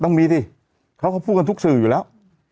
ต้องมีสิเขาก็พูดกันทุกสื่ออยู่แล้ว